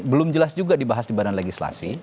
belum jelas juga dibahas di badan legislasi